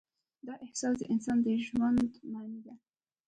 دا احساس د انسان د ژوند معنی ده.